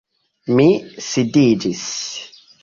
Mi sidiĝis.